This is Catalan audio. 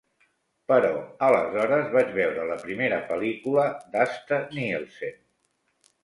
Però aleshores vaig veure la primera pel·lícula d'Asta Nielsen.